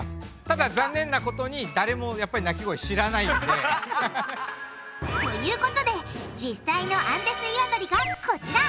ただ残念なことに誰もやっぱり鳴き声を知らないんで。ということで実際のアンデスイワドリがこちら！